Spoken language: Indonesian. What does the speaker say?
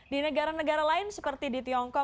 di negara negara lain seperti di tiongkok